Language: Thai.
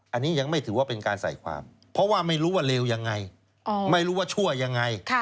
อันนี้ยังไม่ถือว่าเป็นการใส่ความเพราะว่าไม่รู้ว่าเลวยังไงไม่รู้ว่าชั่วยังไง